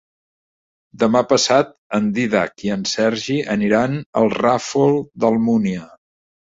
Demà passat en Dídac i en Sergi aniran al Ràfol d'Almúnia.